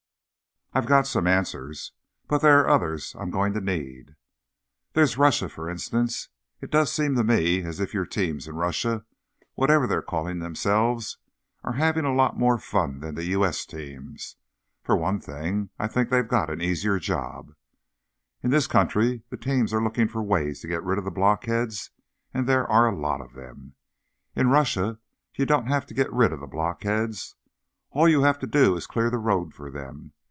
I've got some answers, but there are others I'm going to need._ _There's Russia, for instance. It does seem to me as if your teams in Russia, whatever they're calling themselves, are having a lot more fun than the U. S. teams. For one thing they've got an easier job._ _In this country, the teams are looking for ways to get rid of the blockheads, and there are a lot of them. In Russia, you don't have to get rid of the blockheads. All you have to do is clear the road for them.